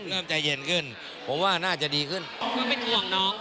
เริ่มใจเย็นขึ้นผมว่าน่าจะดีขึ้นก็เป็นห่วงน้อง